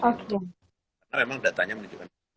karena memang datanya menunjukkan